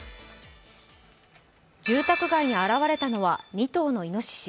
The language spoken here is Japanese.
住宅街に現れたのは２頭のいのしし。